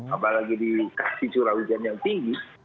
apalagi di kaki curah hujan yang tinggi